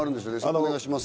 お願いします。